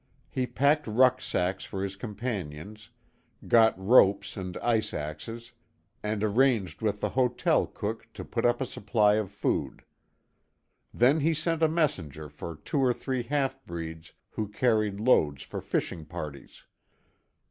He packed rucksacks for his companions, got ropes and ice axes, and arranged with the hotel cook to put up a supply of food. Then he sent a messenger for two or three half breeds who carried loads for fishing parties.